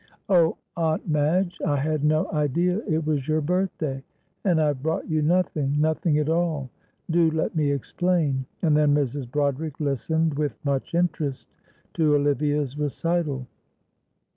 "Oh, Aunt Madge, I had no idea it was your birthday, and I have brought you nothing, nothing at all. Do let me explain," and then Mrs. Broderick listened with much interest to Olivia's recital.